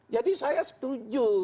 jadi saya setuju